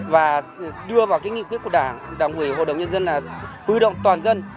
và đưa vào cái nghị quyết của đảng đảng ủy hội đồng nhân dân là huy động toàn dân